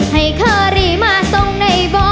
ให้เคอรีมาส่งในบ่